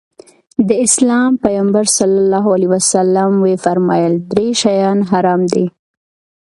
د اسلام پيغمبر ص وفرمايل درې شيان حرام دي.